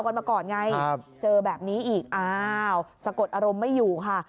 กันมาก่อนไงเจอแบบนี้อีกอ้าวสะกดอารมณ์ไม่อยู่ค่ะ